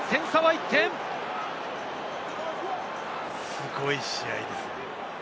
すごい試合ですね。